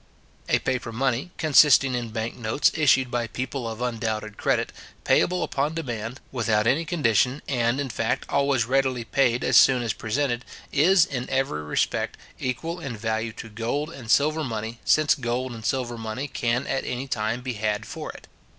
A paper money, consisting in bank notes, issued by people of undoubted credit, payable upon demand, without any condition, and, in fact, always readily paid as soon as presented, is, in every respect, equal in value to gold and silver money, since gold and silver money can at anytime be had for it.